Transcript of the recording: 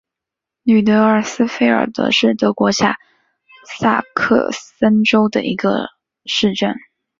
吕德尔斯费尔德是德国下萨克森州的一个市镇。